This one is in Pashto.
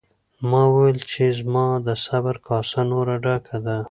ما وویل چې زما د صبر کاسه نوره ډکه ده.